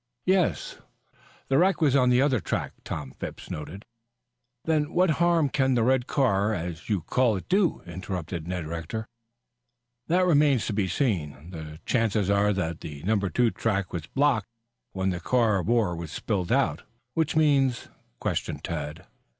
"Yes." "The wreck was on the other track." Tom Phipps nodded. "Then what harm can the red car, as you call it, do?" interrupted Ned Rector. "That remains to be seen. The chances are that the number two track was blocked when the car of ore was spilled out." "Which means?" questioned Tad.